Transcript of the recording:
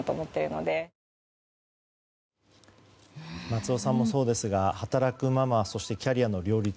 松尾さんもそうですが働くママそしてキャリアの両立